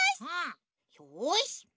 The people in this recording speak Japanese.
よし！